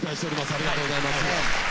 ありがとうございます。